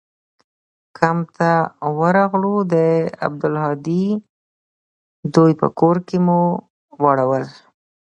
کمپ ته ورغلو د عبدالهادي دوى په کور کښې مو واړول.